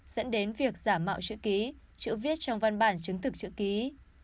dẫn đến việc giả mạo chữ ký chữ viết trong văn bản chứng thực chữ ký